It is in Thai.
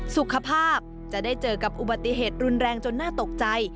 สุขภาพจะได้เจอกับอุบัติเหตุรุนแรงจนน่าตกใจ